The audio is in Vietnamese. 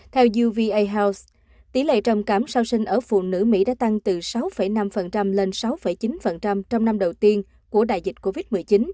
theo uva house tỷ lệ trầm cảm sau sinh ở phụ nữ mỹ đã tăng từ sáu năm lên sáu chín trong năm đầu tiên của đại dịch covid một mươi chín